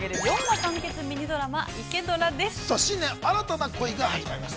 ◆さあ新年、新たな恋が始まります。